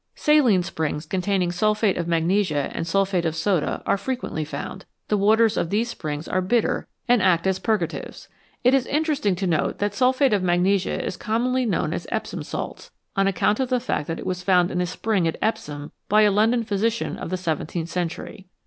Saline springs containing sulphate of magnesia and sulphate of soda are frequently found. The waters of these springs are bitter and act as purgatives. It is interesting to note that sulphate of magnesia is commonly known as Epsom salts, on account of the fact that it was found in a spring at Epsom by a London physician of the seventeenth century.